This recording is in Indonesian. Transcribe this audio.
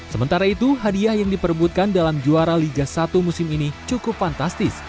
sementara itu hadiah yang diperbutkan dalam juara liga satu musim ini cukup fantastis